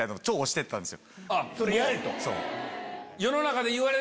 それやれ！と。